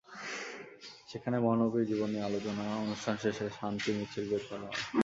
সেখানে মহানবীর জীবন নিয়ে আলোচনা অনুষ্ঠান শেষে শান্তি মিছিল বের করা হয়।